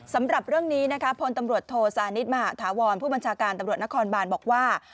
สำหรับเรื่องนี้นะคะพลตำรวจโทสานิทมหาธาวรผู้บัญชาการตำรวจนครบานบอกว่า